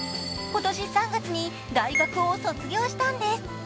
今年３月に大学を卒業したんです。